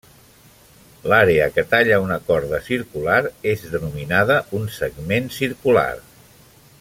L'àrea que talla una corda circular és denominada un segment circular.